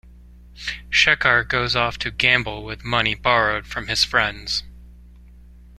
Shekhar goes off to gamble with money borrowed from his friends.